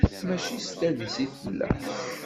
Mačci s tadist i tella?